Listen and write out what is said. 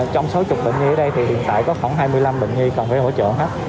trong sáu mươi bệnh nhi ở đây thì hiện tại có khoảng hai mươi năm bệnh nhi cần phải hỗ trợ hết